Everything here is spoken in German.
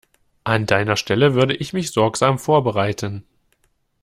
An deiner Stelle würde ich mich sorgsam vorbereiten.